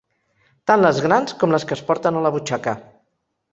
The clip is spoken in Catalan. Tant les grans com les que es porten a la butxaca.